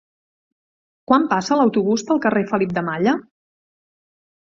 Quan passa l'autobús pel carrer Felip de Malla?